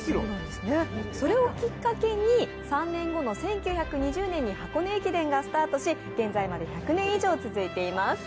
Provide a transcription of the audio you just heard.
それをきっかけに３年後の１９２０年に箱根駅伝がスタートし、現在まで１００年以上続いています。